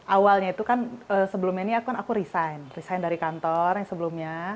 awalnya itu kan sebelumnya aku resign dari kantor yang sebelumnya